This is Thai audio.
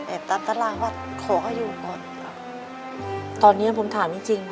แอบตามทาราควัดขอให้อยู่ก่อนตอนเนี้ยผมถามจริงจริง